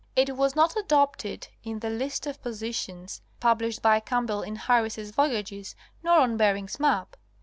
It was not adopted in the list of positions published by Campbellin Harris' Voyages nor on Bering's map.